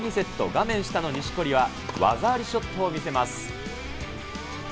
画面下の錦織は技ありショットを見せます。